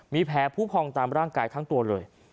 มีแผลผู้พองตามร่างกายทั้งตัวเลย